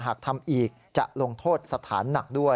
หากทำอีกจะลงโทษสถานหนักด้วย